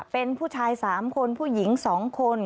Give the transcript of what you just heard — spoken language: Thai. เป็นผู้ชาย๓คนผู้หญิง๒คน